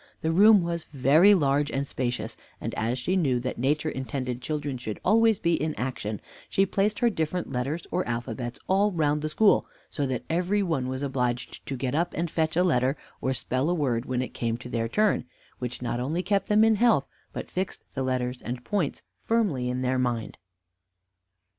The room was very large and spacious, and as she knew that nature intended children should be always in action, she placed her different letters, or alphabets, all round the school, so that every one was obliged to get up and fetch a letter, or to spell a word when it came to their turn; which not only kept them in health, but fixed the letters and points firmly in their minds.